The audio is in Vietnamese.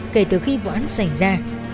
kể từ khi vụ án xảy ra